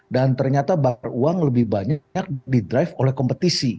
dan ternyata bakar uang lebih banyak di drive oleh kompetisi